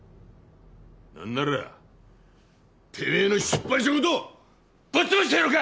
なんならてめえの出版社ごとぶっ潰してやろうか！？